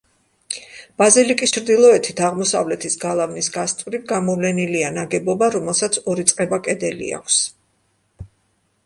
ბაზილიკის ჩრდილოეთით, აღმოსავლეთის გალავნის გასწვრივ გამოვლენილია ნაგებობა, რომელსაც ორი წყება კედელი აქვს.